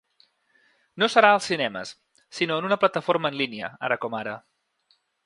No serà als cinemes, sinó en una plataforma en línia, ara com ara.